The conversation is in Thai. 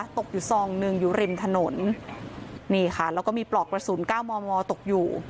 ตกอยู่ซองหนึ่งอยู่ริมถนนนี่ค่ะแล้วก็มีปลอกกระสุนเก้ามอมอตกอยู่